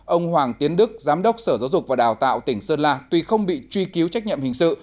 ông hoàng tiến đức giám đốc sở giáo dục và đào tạo tỉnh sơn la tuy không bị truy cứu trách nhiệm hình sự